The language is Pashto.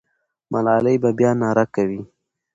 ملالۍ به بیا ناره کوي.